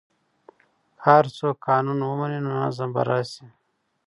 که هر څوک قانون ومني نو نظم به راسي.